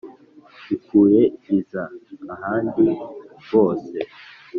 ikuye iza ahandi bose